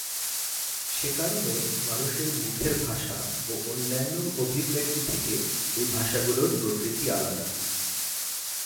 সে কারণে মানুষের মুখের ভাষা ও অন্যান্য অভিব্যক্তি থেকে এই ভাষাগুলোর প্রকৃতি আলাদা।